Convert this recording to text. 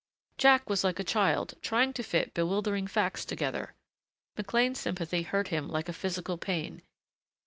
Jack was like a child, trying to fit bewildering facts together. McLean's sympathy hurt him like a physical pain.